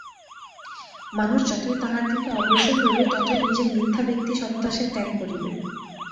মানুষ যতই তাঁহার দিকে অগ্রসর হইবে, ততই নিজের মিথ্যা ব্যক্তি-সত্তা সে ত্যাগ করিবে।